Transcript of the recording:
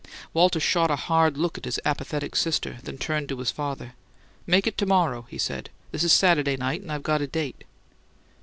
Walter shot a hard look at his apathetic sister, then turned to his father. "Make it to morrow," he said. "This is Satad'y night and I got a date."